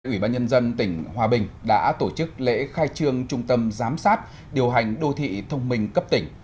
ủy ban nhân dân tỉnh hòa bình đã tổ chức lễ khai trương trung tâm giám sát điều hành đô thị thông minh cấp tỉnh